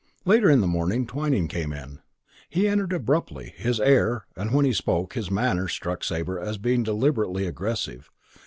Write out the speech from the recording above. Later in the morning Twyning came in. He entered abruptly. His air, and when he spoke, his manner, struck Sabre as being deliberately aggressive.